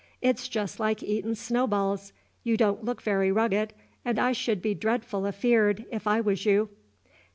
"It's jest like eatin' snowballs. You don't look very rugged; and I should be dreadful afeard, if I was you."